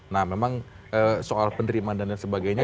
nah memang soal penerimaan dan lain sebagainya